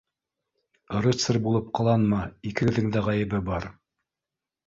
— Рыцарь булып ҡыланма, икегеҙҙең дә ғәйебе бар!